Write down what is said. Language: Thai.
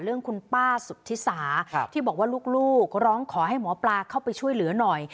เรื่องคุณป้าสุธิสาที่บอกว่าลูกร้องขอให้หมอปลาเข้าไปช่วยเหลือหน่อย